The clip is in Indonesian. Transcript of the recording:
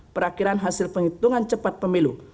perakhiran hasil penghitungan cepat pemilu